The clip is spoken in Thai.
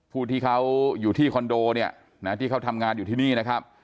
ผู้ที่เขาอยู่ที่คอนโดเนี่ยนะที่เขาทำงานอยู่ที่นี่นะครับ